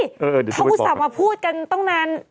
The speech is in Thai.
เขาผู้สาวมาพูดกันต้องนาน